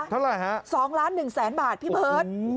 เท่าไหร่ฮะ๒ล้าน๑แสนบาทพี่เบิร์ต